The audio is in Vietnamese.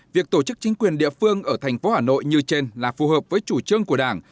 việc tổ chức chính quyền địa phương ở thành phố hà nội như trên là phù hợp với chủ trương của đảng